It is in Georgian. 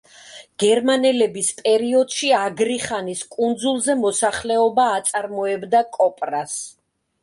გერმანელების პერიოდში აგრიხანის კუნძულზე მოსახლეობა აწარმოებდა კოპრას.